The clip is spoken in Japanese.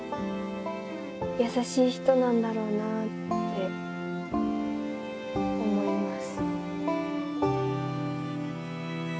優しい人なんだろうなって思います。